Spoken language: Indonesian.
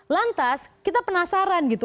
lantas kita penasaran gitu